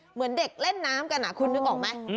เหมือนเด็กเล่นน้ำกันคุณนึกออกไหม